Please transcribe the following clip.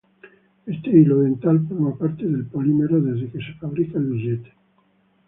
Este hilo dental forma parte del polímero desde que se fabrica el billete.